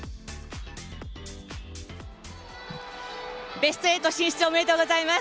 ベスト８進出おめでとうございます。